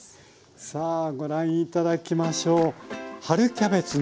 さあご覧頂きましょう。